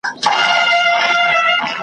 خر پر خپل، آس به پر خپل ځای وي تړلی .